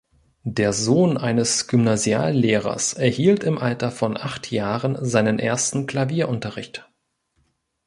Der Sohn eines Gymnasiallehrers erhielt im Alter von acht Jahren seinen ersten Klavierunterricht.